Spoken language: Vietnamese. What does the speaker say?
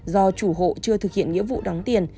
do chủ hộ chưa thực hiện nghĩa vụ đóng tiền